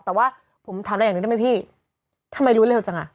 แต่ว่าผมถามอะไรอย่างหนึ่งได้ไหมพี่ทำไมรู้เร็วจังอ่ะ